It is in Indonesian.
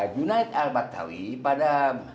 junaid al batawi pada